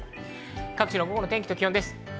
各地の午後の気温と天気です。